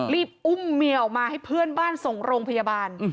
รีบอุ้มเมียออกมาให้เพื่อนบ้านส่งโรงพยาบาล